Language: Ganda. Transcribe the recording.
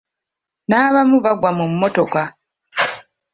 N’abamu bagwa mu mmotoka!